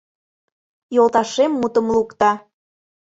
Йолташем мутым лукто –